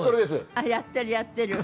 あっやってるやってる。